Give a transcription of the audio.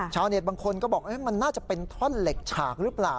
ชาวเน็ตบางคนก็บอกมันน่าจะเป็นท่อนเหล็กฉากหรือเปล่า